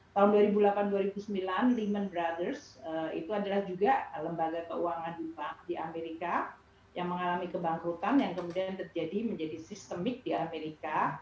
tahun dua ribu delapan dua ribu sembilan leemon brothers itu adalah juga lembaga keuangan di amerika yang mengalami kebangkrutan yang kemudian terjadi menjadi sistemik di amerika